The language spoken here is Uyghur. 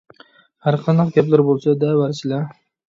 ھەرقانداق گەپلىرى بولسا دەۋەرسىلە!